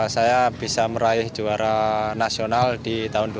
saya bisa meraih juara nasional di tahun dua ribu dua puluh tiga ini